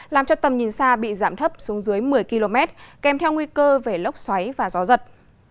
làm cho tầm nhìn xa bị giảm thấp xuống dưới một mươi km kèm theo nguy cơ về lốc xoáy và gió giật